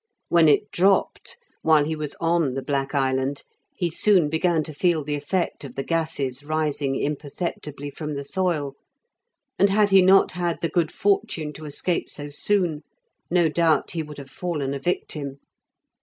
When it dropped, while he was on the black island, he soon began to feel the effect of the gases rising imperceptibly from the soil, and had he not had the good fortune to escape so soon, no doubt he would have fallen a victim.